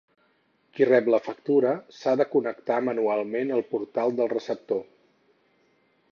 Qui rep la factura s'ha de connectar manualment al Portal del receptor.